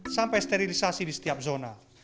sampai sterilisasi di setiap zona